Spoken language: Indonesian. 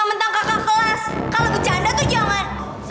hah mentang mentang kakak kelas kalau bercanda tuh jangan